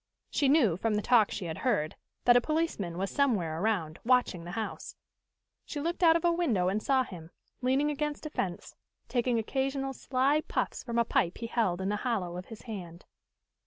She knew, from the talk she had heard, that a policeman was somewhere around, watching the house. She looked out of a window and saw him, leaning against a fence, taking occasional sly puffs from a pipe he held in the hollow of his hand.